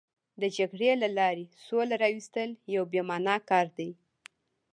د جګړې له لارې سوله راوستل یو بې معنا کار دی.